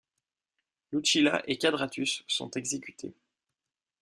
Lucilla et Quadratus, sont exécutés.